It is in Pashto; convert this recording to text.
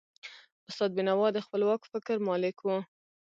استاد بینوا د خپلواک فکر مالک و.